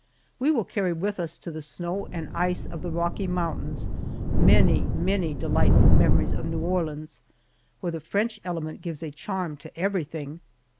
We will carry with us to the snow and ice of the Rocky Mountains many, many delightful memories of New Orleans, where the French element gives a charm to everything.